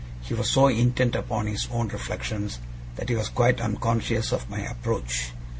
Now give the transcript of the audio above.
He was so intent upon his own reflections that he was quite unconscious of my approach.